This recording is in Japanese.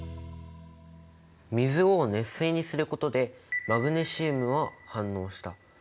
水を熱水にすることでマグネシウムは反応した。